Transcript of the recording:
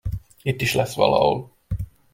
Itt is lesz valahol.